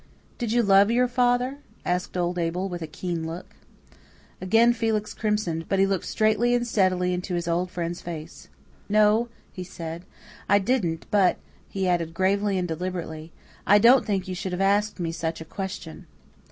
"Did you love your father?" asked old Abel, with a keen look. Again Felix crimsoned; but he looked straightly and steadily into his old friend's face. "No," he said, "I didn't; but," he added, gravely and deliberately, "I don't think you should have asked me such a question."